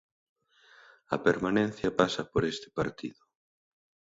A permanencia pasa por este partido.